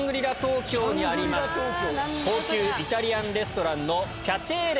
高級イタリアンレストランの。